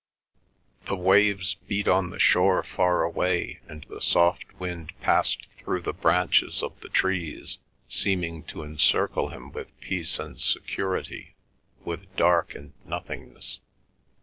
The waves beat on the shore far away, and the soft wind passed through the branches of the trees, seeming to encircle him with peace and security, with dark and nothingness.